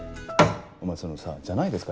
お前そのさ「じゃないですか」